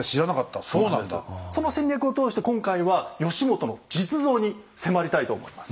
その戦略を通して今回は義元の実像に迫りたいと思います。